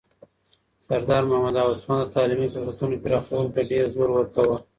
سردار محمد داود خان د تعلیمي فرصتونو پراخولو ته ډېر زور ورکاوه.